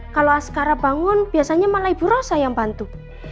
kalau askara bangun biasanya malah ibu rosa yang bantu